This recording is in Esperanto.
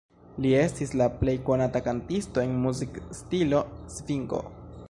Li estis la plej konata kantisto en muzikstilo svingo.